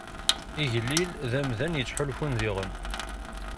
Igellil d amdan yettḥulfun diɣen.